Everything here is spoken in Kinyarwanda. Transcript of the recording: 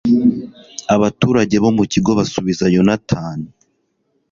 abaturage bo mu kigo basubiza yonatani